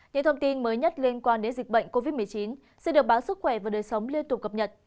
những thông tin mới nhất liên quan đến dịch bệnh covid một mươi chín sẽ được báo sức khỏe và đời sống liên tục cập nhật